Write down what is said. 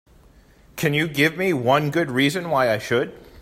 Can you give me one good reason why I should?